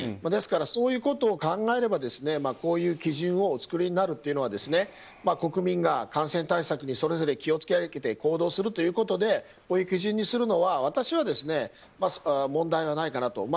ですからそういうことを考えればこういう基準をお作りになるというのは国民が感染対策にそれぞれ気を付けて行動するということでこういう基準にするのは私は問題ないかなと。